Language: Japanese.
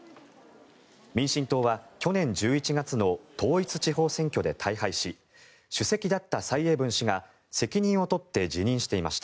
民進党は去年１１月の統一地方選挙で大敗し主席だった蔡英文氏が責任を取って辞任していました。